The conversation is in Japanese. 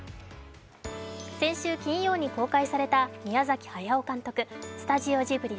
先週金曜に公開された宮崎駿監督、スタジオジブリ